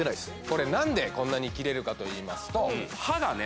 これ何でこんなに切れるかといいますと刃がね